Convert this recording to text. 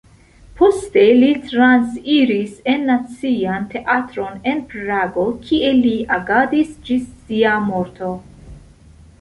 Poste li transiris en Nacian Teatron en Prago, kie li agadis ĝis sia morto.